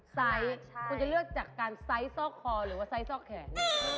ไซส์คุณจะเลือกจากการไซส์ซอกคอหรือว่าไซส์ซอกแขน